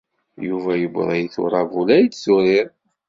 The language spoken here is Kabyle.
Yuba yewweḍ-it uṛabul ay d-turid.